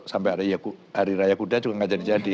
sampai hari raya kuda juga nggak jadi jadi